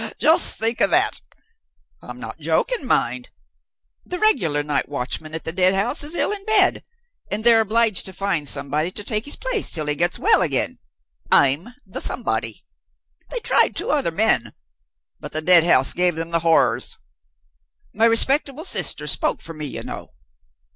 Ho! ho! just think of that! I'm not joking, mind. The regular Night Watchman at the Deadhouse is ill in bed, and they're obliged to find somebody to take his place till he gets well again. I'm the Somebody. They tried two other men but the Deadhouse gave them the horrors. My respectable sister spoke for me, you know.